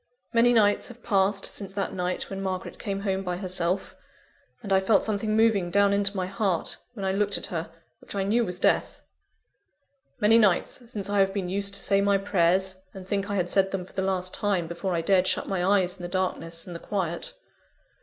"Many nights have passed since that night when Margaret came home by herself and I felt something moving down into my heart, when I looked at her, which I knew was death many nights, since I have been used to say my prayers, and think I had said them for the last time, before I dared shut my eyes in the darkness and the quiet.